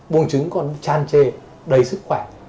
vỏ trứng còn tràn trề đầy sức khỏe